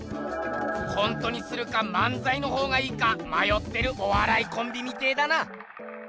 コントにするか漫才のほうがいいかまよってるおわらいコンビみてえだな！